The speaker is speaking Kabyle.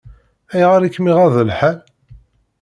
Ayɣer i kem-iɣaḍ lḥal?